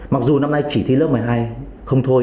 mặc dù năm nay chỉ thi lớp một mươi hai không thôi